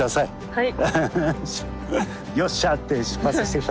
はい。